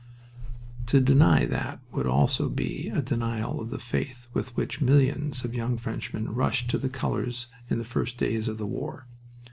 To deny that would also be a denial of the faith with which millions of young Frenchmen rushed to the colors in the first days of the war.